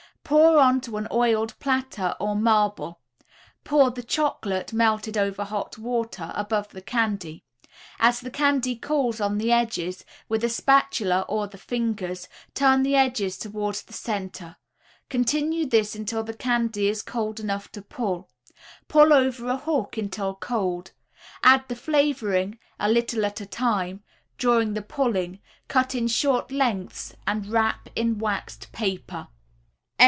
Pour onto an oiled platter or marble; pour the chocolate, melted over hot water, above the candy; as the candy cools on the edges, with a spatula or the fingers, turn the edges towards the center; continue this until the candy is cold enough to pull; pull over a hook until cold; add the flavoring, a little at a time, during the pulling, cut in short lengths and wrap in waxed paper.